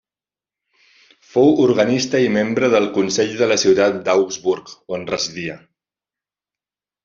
Fou organista i membre del consell de la ciutat d'Augsburg, on residia.